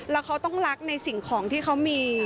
แล้วเขาต้องรักในสิ่งของที่เขามี